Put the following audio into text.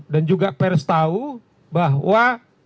dan juga pers tahu bahwa